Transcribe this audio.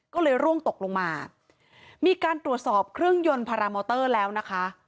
ก็เลยร่วงตกลงมามีการตรวจสอบเครื่องยนต์พารามอเตอร์แล้วนะคะ